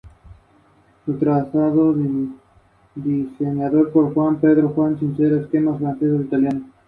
Es originario de San Juan de los Lagos, Jalisco.